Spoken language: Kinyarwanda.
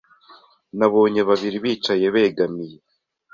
Nabonye babiri bicaye begamiye